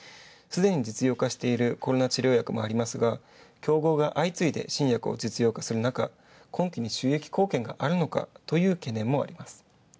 すでに実用化しているコロナ治療薬もありますが、競合が相次いで新薬を実用化するなか、今期に収益貢献があるのかという懸念もあります。